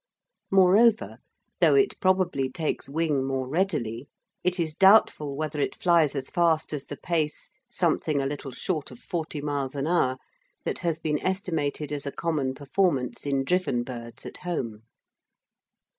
Moreover, though it probably takes wing more readily, it is doubtful whether it flies as fast as the pace, something a little short of forty miles an hour, that has been estimated as a common performance in driven birds at home.